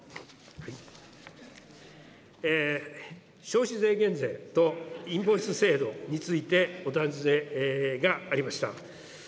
消費税減税とインボイス制度について、お尋ねがありました。